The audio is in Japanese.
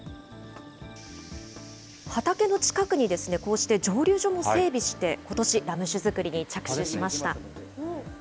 畑の近くに、こうして蒸留所も整備して、ことし、ラム酒造りに着手しました。